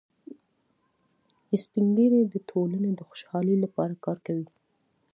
سپین ږیری د ټولنې د خوشحالۍ لپاره کار کوي